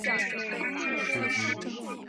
费蒂尼。